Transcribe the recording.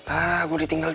ah gue ditinggal ya